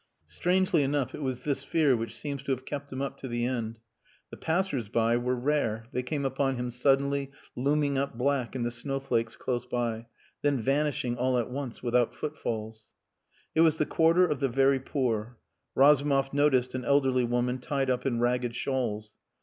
Strangely enough it was this fear which seems to have kept him up to the end. The passers by were rare. They came upon him suddenly, looming up black in the snowflakes close by, then vanishing all at once without footfalls. It was the quarter of the very poor. Razumov noticed an elderly woman tied up in ragged shawls.